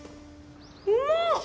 うまっ！